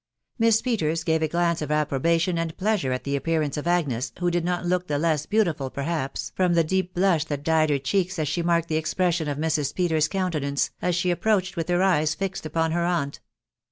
Miss Peters gave a glance of approbation and ploaanne at the appearance of Agnes, who did not look the leu beautiful, perhaps, from the deep blush that dyed her cheeks as the marked the expression of Mrs. Peters' countenance, as the \ approached with her eyes fixed upon her aunt.